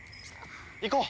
行こう！